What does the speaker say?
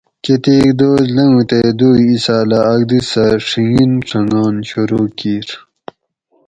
کتیک دوس لنگو تے دوئ ایساۤلہ آک دی سہ ڛیگین ڛنگان شروع کِیر